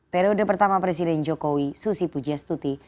periode pertama presiden jokowi susi pujastuti